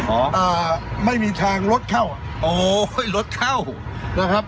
อ่าไม่มีทางรถเข้าโอ้ยรถเข้านะครับ